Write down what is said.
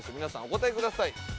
皆さんお答えください